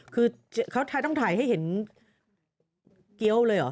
คือเขาต้องถ่ายให้เห็นเกี้ยวเลยเหรอ